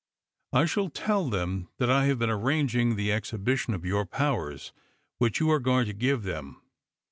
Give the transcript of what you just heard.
I shall tell them that I have been arranging the exhibition of your powers which you are going to give them.